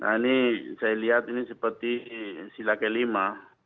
nah ini saya lihat ini seperti silake lima